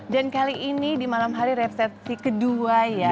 dan kali ini di malam hari resepsi kedua ya